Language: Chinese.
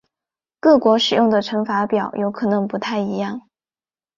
各国使用的乘法表有可能不太一样。